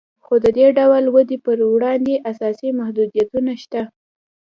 خو د دې ډول ودې پر وړاندې اساسي محدودیتونه شته